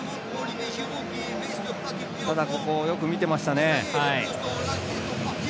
ただ、ここをよく見ていましたね。